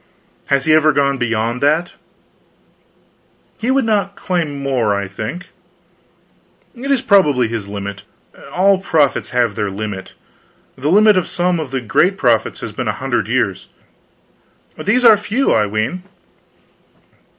"Has he ever gone beyond that?" "He would not claim more, I think." "It is probably his limit. All prophets have their limit. The limit of some of the great prophets has been a hundred years." "These are few, I ween."